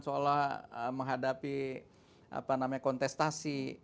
seolah menghadapi kontestasi